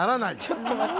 ちょっと待って。